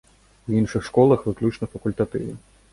У іншых школах выключна факультатывы.